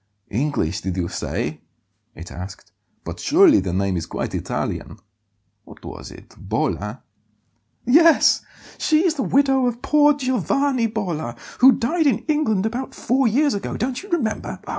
"English, did you say?" it asked. "But surely the name is quite Italian. What was it Bolla?" "Yes; she is the widow of poor Giovanni Bolla, who died in England about four years ago, don't you remember?